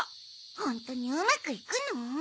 ホントにうまくいくの？